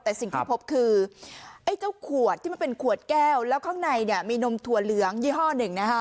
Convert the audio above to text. แต่สิ่งที่พบคือไอ้เจ้าขวดที่มันเป็นขวดแก้วแล้วข้างในเนี่ยมีนมถั่วเหลืองยี่ห้อหนึ่งนะคะ